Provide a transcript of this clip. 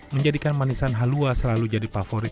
menjadikan manisan halua selalu jadi favorit